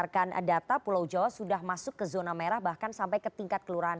karena memang kalau berdasarkan data pulau jawa sudah masuk ke zona merah bahkan sampai ke tingkat kelurahan